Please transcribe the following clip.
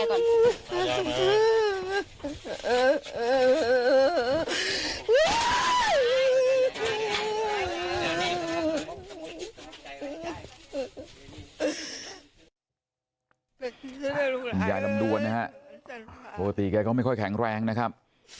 คุณยายลำดวนนะฮะปกติแกก็ไม่ค่อยแข็งแรงนะครับ